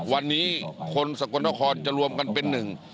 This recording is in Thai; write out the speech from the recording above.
วันนี้คนสกลนครจะรวมกันเป็นหนึ่ง